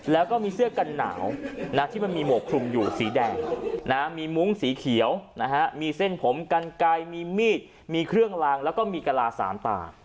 แล้วก็มีเสื้อกันหนาวที่มันมีหมวกคลุมอยู่สีแดงมีมุ้งสีเขียวมีเส้นผมกันไกลมีมีดมีเครื่องลางแล้วก็มีกระลาสามตา